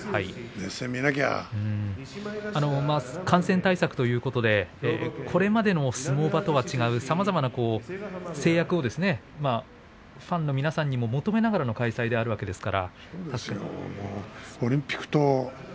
感染対策ということでこれまでの相撲場とは違うさまざまな制約をファンの皆さんに求めながらの開催ではあるわけですから。